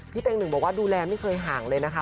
พี่เต็งหนึ่งไม่เคยห่างนะ